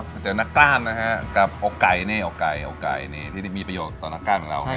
เหมาะสมกับชื่อร้านเนี่ยจิตจาร์ด